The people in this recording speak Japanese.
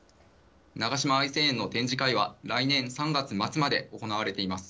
長島愛生園の展示会は来年３月末まで行われています。